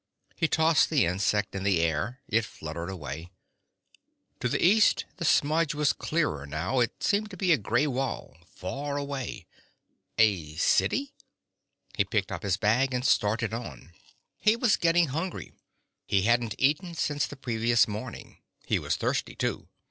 He tossed the insect in the air. It fluttered away. To the east the smudge was clearer now; it seemed to be a grey wall, far away. A city? He picked up his bag and started on. He was getting hungry. He hadn't eaten since the previous morning. He was thirsty too.